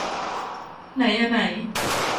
ไหนอะไหน